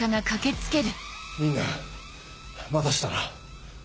みんな待たせたな。